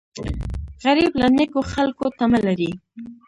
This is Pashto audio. غریب له نیکو خلکو تمه لري